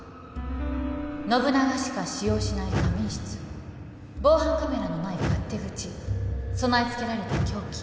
信長しか使用しない仮眠室防犯カメラのない勝手口備え付けられた凶器。